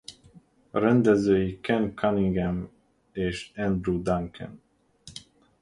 A rendezői Ken Cunningham és Andrew Duncan.